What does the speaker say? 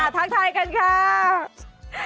ทางไทยกันครับ